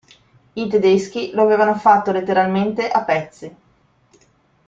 I tedeschi lo avevano fatto letteralmente a pezzi.